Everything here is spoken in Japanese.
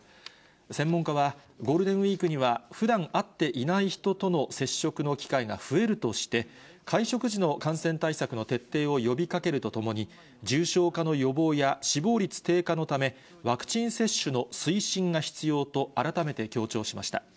専門家は、ゴールデンウィークには、ふだん会っていない人との接触の機会が増えるとして、会食時の感染対策の徹底を呼びかけるとともに、重症化の予防や死亡率低下のため、ワクチン接種の推進が必要と、改めて強調しました。